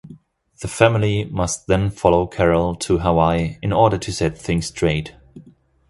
The family must then follow Carol to Hawaii in order to set things straight.